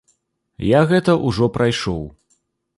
Я гэта ўжо прайшоў.